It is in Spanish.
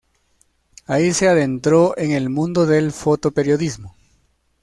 Allí se adentró en el mundo del fotoperiodismo.